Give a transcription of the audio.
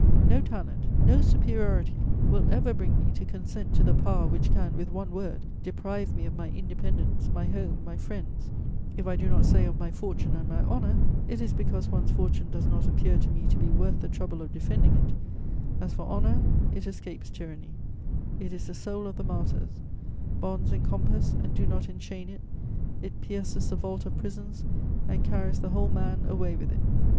No talent, no superiority will ever bring me to consent to the power which can, with one word, deprive me of my independence, my home, my friends: if I do not say of my fortune and my honour, it is because one's fortune does not appear to me to be worth the trouble of defending it; as for honour, it escapes tyranny: it is the soul of the martyrs; bonds encompass and do not enchain it; it pierces the vault of prisons and carries the whole man away with it.